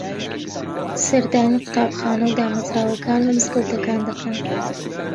سەردانی قوتابخانە و دامەزراوەکان و مزگەوتەکان دەکەن